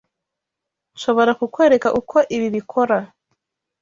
Nshobora kukwereka uko ibi bikora.